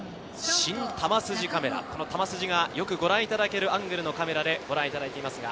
新・球筋カメラ、球筋がご覧いただけるアングルのカメラでご覧いただいています。